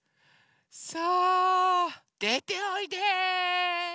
さあでておいで。